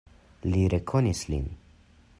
Li rekonis lin.